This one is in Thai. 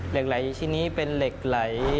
เหล็กไหลชิ้นนี้เป็นเหล็กไหล